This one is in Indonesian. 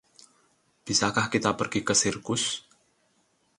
Bisakah kita pergi ke sirkus?